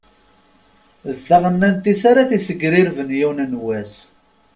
D taɣennant-is ara t-issegrirben yiwen n wass.